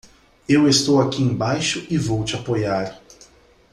Eu estou aqui embaixo e vou te apoiar.